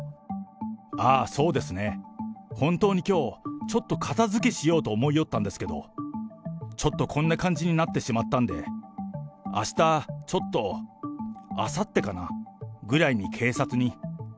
本当にきょう、ちょっと片づけしようと思いよったんですけど、ちょっとこんな感じになってしまったんで、あした、ちょっと、あさってかな、ぐらいに警察に。